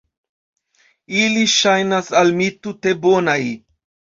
Ili ŝajnas al mi tute bonaj.